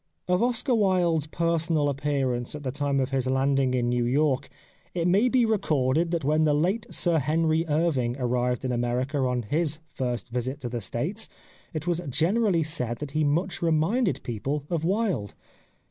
Of Oscar Wilde's personal appearance at the time of his landing in New York it may be re corded that when the late Sir Henry Irving ar rived in America on his first visit to the States it was generally said that he much reminded people of Wilde.